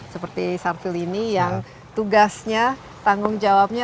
seperti sarfil ini yang tugasnya tanggung jawabnya